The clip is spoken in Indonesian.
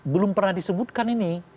belum pernah disebutkan ini